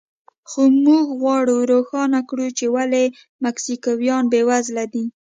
خو موږ غواړو روښانه کړو چې ولې مکسیکویان بېوزله دي.